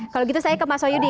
kalau gitu saya ke mas wahyudi